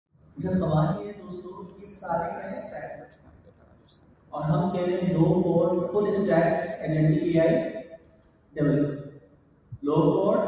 The building benefits from a large central courtyard, which includes a fountain.